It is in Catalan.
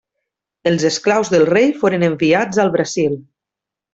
Els esclaus del rei foren enviats al Brasil.